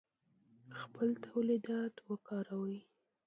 خپل تولیدات وکاروئ.